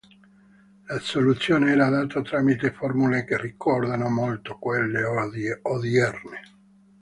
La soluzione era data tramite formule che ricordano molto quelle odierne.